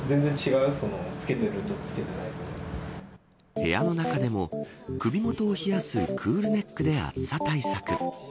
部屋の中でも首元を冷やすクールネックで暑さ対策。